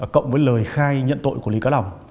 cộng với lời khai nhận tội của lý cá lòng